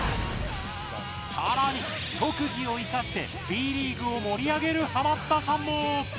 さらに、特技を生かしてＢリーグを盛り上げるハマったさんも。